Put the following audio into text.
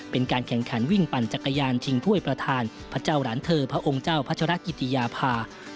เป็นการแข่งขันวิ่งปั่นจักรยานชิงถ้วยประธานพระเจ้าหลานเธอพระองค์เจ้าพัชรกิติยาภา